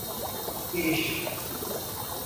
Giriş.